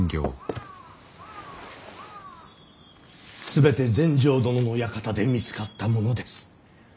全て全成殿の館で見つかったものです。